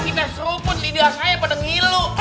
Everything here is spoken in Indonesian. kita seruput lidah saya pada ngilu